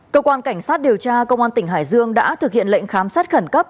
cơ quan cảnh sát điều tra công an tỉnh hải dương đã thực hiện lệnh khám xét khẩn cấp